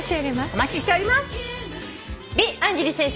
お待ちしております。